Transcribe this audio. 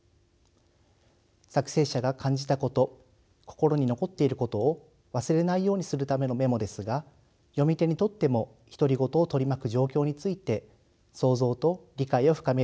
作成者が感じたこと心に残っていることを忘れないようにするためのメモですが読み手にとっても独り言を取り巻く状況について想像と理解を深める手助けになります。